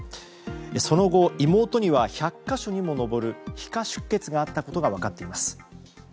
その後、妹には１００か所にも上る皮下出血があったことが分かっています。